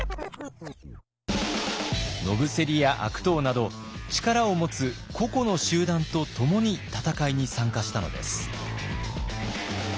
野伏や悪党など力を持つ個々の集団と共に戦いに参加したのです。